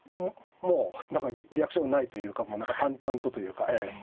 リアクションがないというか淡々とというかええ。